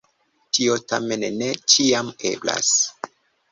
Tio tamen ne ĉiam eblas.